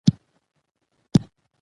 عرضه د تولید اندازه ټاکي.